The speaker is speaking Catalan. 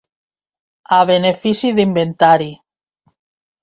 A benefici d'inventari.